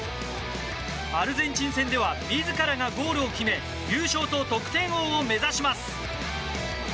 アルゼンチン戦では自らがゴールを決め優勝と得点王を目指します。